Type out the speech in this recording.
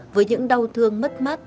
với những đau thương mất mát